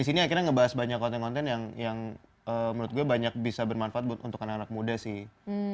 di sini akhirnya ngebahas banyak konten konten yang menurut gue banyak bisa bermanfaat untuk anak anak muda sih